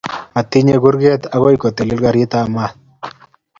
Matiyat kurget agoi kotelel garitap mat